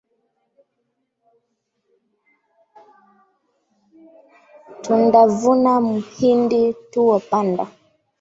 Tundavuna mhindi tuopanda.